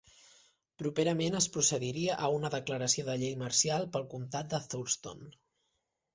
Properament es procediria a una declaració de llei marcial pel comtat de Thurston.